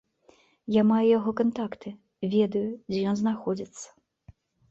Я маю яго кантакты, ведаю, дзе ён знаходзіцца.